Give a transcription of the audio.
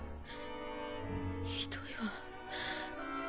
ひどいわ。